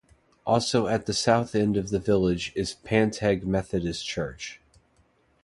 Also at the south end of the village is Panteg Methodist Church.